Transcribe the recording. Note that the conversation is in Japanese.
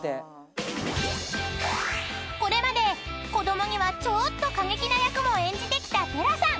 ［これまで子供にはちょーっと過激な役も演じてきた寺さん］